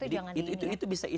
itu jangan di ini ya